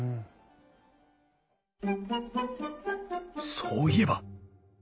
そういえば！